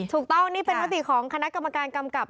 ถูกต้องนี่เป็นมติของคณะกรรมการกำกับ